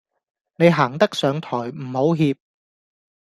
你行得上台唔好怯